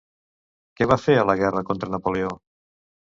Què va fer a la guerra contra Napoleó?